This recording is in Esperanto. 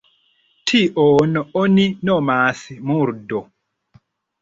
Tion oni nomas murdo.